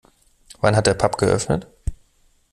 Wann hat der Pub geöffnet?